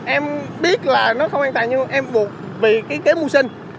em biết là nó không an toàn nhưng em buộc vì cái kế mưu sinh